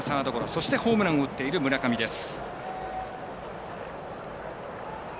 そして、ホームランを打っている村上です。